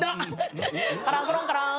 カランコロンカラン。